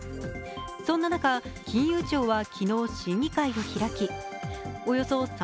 そんな中、金融庁は昨日審議会を開きおよそ３８００